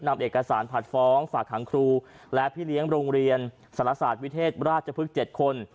นำเอกสารผัดฟ้องฝากหางครูและพี่เลี้ยงโรงเรียนสารศาสตร์วิเทศราชพฤกษ์๗คน